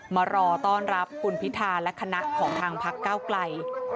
มารอต้อนรับคุณพิธาและคณะของทางพักเก้าไกล